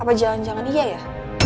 apa jangan jangan iya ya